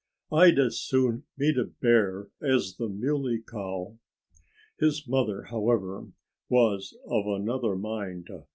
"I'd as soon meet a bear as the Muley Cow." His mother, however, was of another mind.